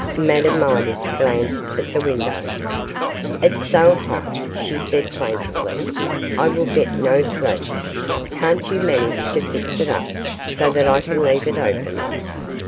Madame Midas glanced at the window. 'It's so hot,' she said, plaintively, 'I will get no sleep. Can't you manage to fix it up, so that I can leave it open?